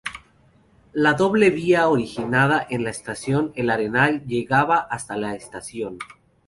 La doble vía originada en la Estación El Arenal, llegaba hasta esta estación.